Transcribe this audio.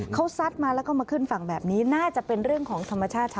เขาซัดมาแล้วก็มาขึ้นฝั่งแบบนี้น่าจะเป็นเรื่องของธรรมชาติค่ะ